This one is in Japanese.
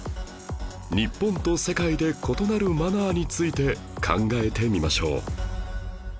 日本と世界で異なるマナーについて考えてみましょう